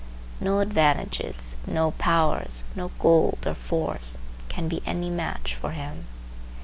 No advantages, no powers, no gold or force, can be any match for him.